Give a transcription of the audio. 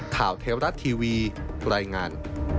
ข่าวเทวรัตน์ทีวีรายงาน